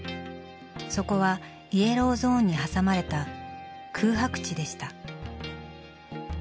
そこはイエローゾーンに挟まれた空白地でした。